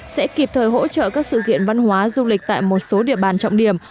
sẽ kịp thời hỗ trợ các sự kiện văn hóa du lịch tại một số địa bàn trọng điểm